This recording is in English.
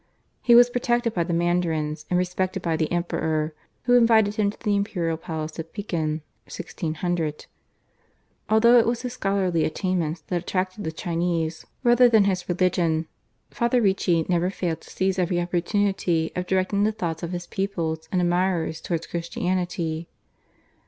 He was protected by the mandarins, and respected by the Emperor, who invited him to the imperial palace at Pekin (1600). Although it was his scholarly attainments that attracted the Chinese rather than his religion, Father Ricci never failed to seize every opportunity of directing the thoughts of his pupils and admirers towards Christianity.